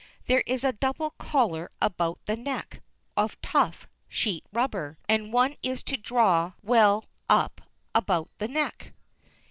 There is a double collar about the neck, of tough, sheet rubber, and one is to draw well up about the neck.